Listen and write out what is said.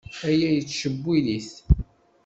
Aya yettcewwil-it.